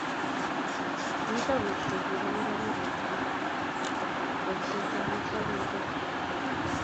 mito kurset nebo neranik kotii boisietab musoknatedab kasari